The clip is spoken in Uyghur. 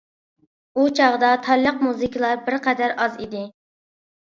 ئۇ چاغدا تارىلىق مۇزىكىلار بىر قەدەر ئاز ئىدى.